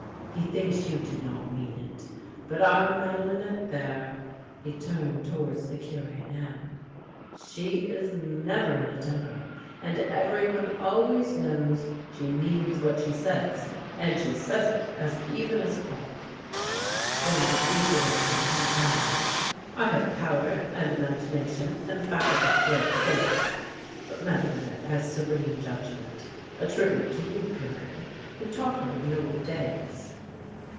He thinks you do not mean it. But our Madelinette there "— he turned towards the Cure now —" she is 44 THE LANE THAT HAD NO TURNING never in a temper, and every one always knows she means what she says, and she says it as even as a clock." Then the egoist in him added: " I have power and imagination and the faculty for great things; but Madelinette has serene judgment — a tribute to you. Cure, who taught her in the old days."